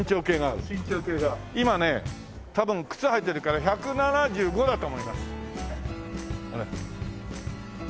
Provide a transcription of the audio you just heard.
今ね多分靴履いてるから１７５だと思います。